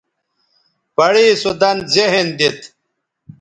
پڑےسو دَن ذہن دیت